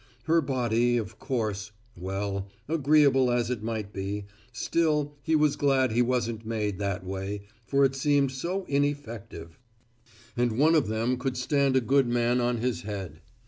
Her body, of course well, agreeable as it might be, still he was glad he wasn't made that way, for it seemed so ineffective. And one of them could stand a good man on his head.